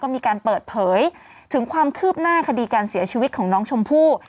มีการเปิดเผยถึงความคืบหน้าคดีการเสียชีวิตของน้องชมพู่